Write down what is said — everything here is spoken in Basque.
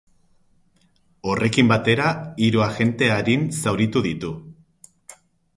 Horrekin batera, hiru agente arin zauritu ditu.